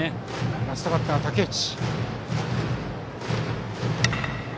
ラストバッターの武内。